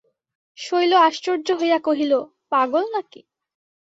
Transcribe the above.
শৈল আশ্চর্য হইয়া কহিল, পাগল নাকি!